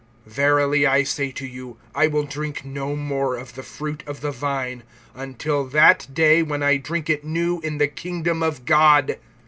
(25)Verily I say to you, I will drink no more of the fruit of the vine, until that day when I drink it new in the kingdom of God.